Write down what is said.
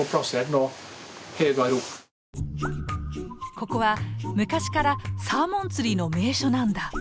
ここは昔からサーモン釣りの名所なんだ。